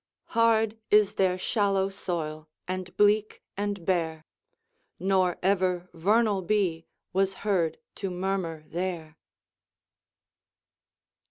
Hard is their shallow soil, and bleak and bare; Nor ever vernal bee was heard to murmur there!